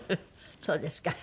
そうですか。